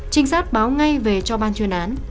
trinh sát báo ngay về cho ban chuyên án